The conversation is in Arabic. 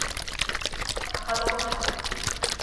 فَأَخَذَهُ الْخَلِيلُ